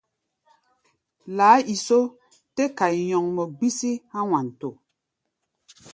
Laáiso tɛ́ kai nyɔŋmɔ gbísí há̧ Wanto.